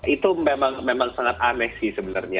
itu memang sangat aneh sih sebenarnya